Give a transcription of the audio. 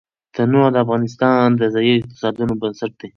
تنوع د افغانستان د ځایي اقتصادونو بنسټ دی.